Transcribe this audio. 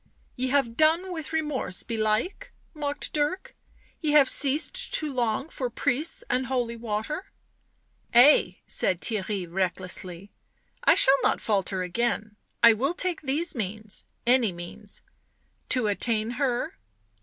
" Ye have done with remorse belike?" mocked Dirk. " Ye have ceased to long for priests and holy water?" " Ay," said Theirry recklessly, " I shall not falter again — I will take these means — any means "" To attain — her?"